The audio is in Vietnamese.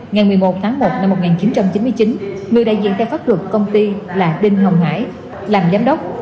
ngày một mươi một tháng một năm một nghìn chín trăm chín mươi chín người đại diện theo pháp luật công ty là đinh hồng hải làm giám đốc